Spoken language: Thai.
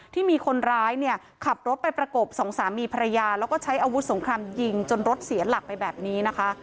ที่มีคนร้ายเนี่ยขับรถไปประกบสองสามีภรรยาแล้วก็ใช้อาวุธสงครามยิงจนรถเสียหลักไปแบบนี้นะคะ